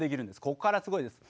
ここからすごいです。